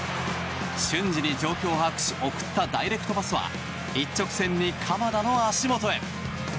瞬時に状況を把握し送ったダイレクトパスは一直線に鎌田の足元へ。